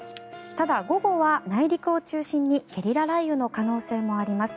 ただ、午後は内陸を中心にゲリラ雷雨の可能性もあります。